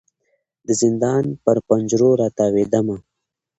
د زندان پر پنجرو را تاویدمه